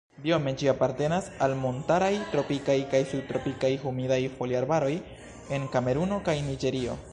Biome ĝi apartenas al montaraj tropikaj kaj subtropikaj humidaj foliarbaroj en Kameruno kaj Niĝerio.